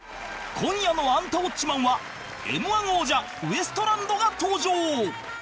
今夜の『アンタウォッチマン！』は Ｍ−１ 王者ウエストランドが登場！